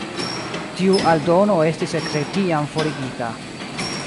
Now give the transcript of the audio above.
Tiu aldono estis ekde tiam forigita.